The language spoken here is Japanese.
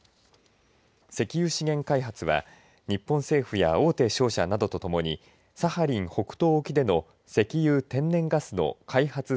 石油資源開発は日本政府や大手商社などとともにサハリン北東沖での石油・天然ガスの開発